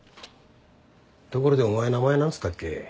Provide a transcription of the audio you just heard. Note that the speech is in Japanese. ところでお前名前なんつったっけ？